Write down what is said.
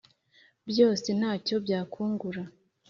byose nta cyo byakungura